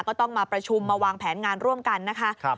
ก็ต้องมาประชุมมาวางแผนงานร่วมกันนะคะ